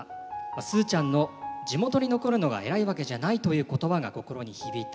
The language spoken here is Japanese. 「スーちゃんの『地元に残るのが偉いわけじゃない』という言葉が心に響いた」